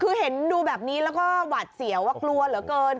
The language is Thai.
คือเห็นดูแบบนี้แล้วก็หวัดเสียวกลัวเหลือเกิน